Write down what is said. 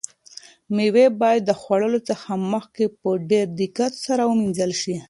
مېوې باید د خوړلو څخه مخکې په ډېر دقت سره ومینځل شي.